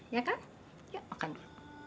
ya kan yuk makan dulu